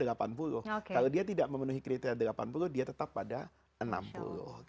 kalau dia tidak memenuhi kriteria delapan puluh dia tetap pada enam puluh